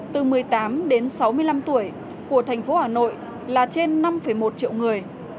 từ một mươi tám đến sáu mươi năm tuổi của thành phố hà nội là trên năm một triệu người